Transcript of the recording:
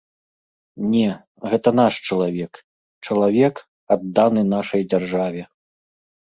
Не, гэта наш чалавек, чалавек, адданы нашай дзяржаве.